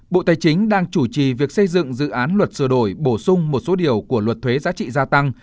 bộ tài chính đang chủ trì việc xây dựng dự án luật sửa đổi bổ sung một số điều của luật thuế giá trị gia tăng